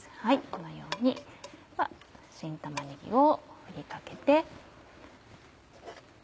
このように新玉ねぎを振りかけてのせて。